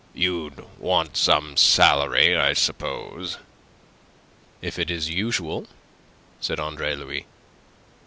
You'd want some salary, I suppose?" "If it is usual," said Andre Louis.